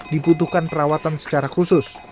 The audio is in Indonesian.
dibutuhkan perawatan secara khusus